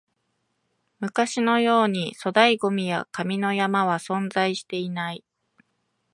昔のように粗大ゴミや紙の山は存在していない